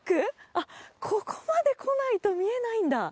あっ、ここまで来ないと見えないんだ。